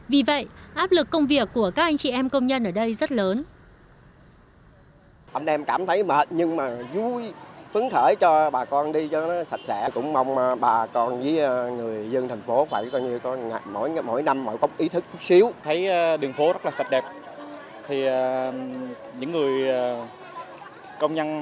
vì vậy áp lực công việc của các anh chị em công nhân ở đây rất lớn